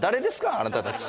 あなたたち。